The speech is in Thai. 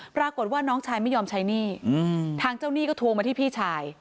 ปรากฏว่าน้องชายไม่ยอมใช้หนี้ทางเจ้าหนี้ก็โทรมาที่พี่ชาย